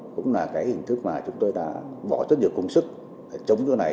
cũng là cái hình thức mà chúng tôi đã bỏ rất nhiều công sức để chống chỗ này